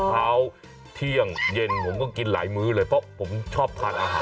เช้าเที่ยงเย็นผมก็กินหลายมื้อเลยเพราะผมชอบทานอาหาร